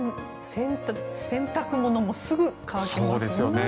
洗濯物もすぐ乾きます。